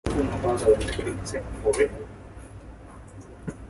The trimaran concept has also been used for both passenger ferries and warships.